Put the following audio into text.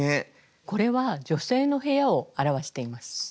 これは女性の部屋を表しています。